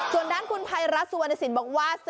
ส่วนด้านคุณภัยรัฐสุวรรณสินบอกว่า